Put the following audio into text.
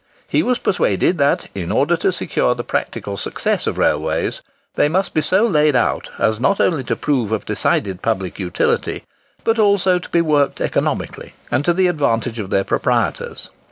He was persuaded that, in order to secure the practical success of railways, they must be so laid out as not only to prove of decided public utility, but also to be worked economically and to the advantage of their proprietors.